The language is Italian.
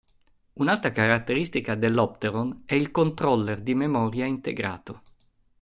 Un'altra caratteristica dell'Opteron è il controller di memoria integrato.